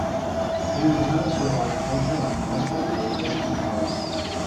He was the Minister of Agriculture and the Minister of Railways and Canals.